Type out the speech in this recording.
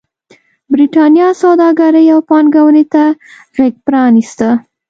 برېټانیا سوداګرۍ او پانګونې ته غېږ پرانېسته.